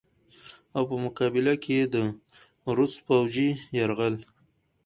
او په مقابله کښې ئې د روس فوجي يرغل